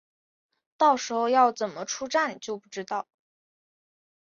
到时候要怎么出站就不知道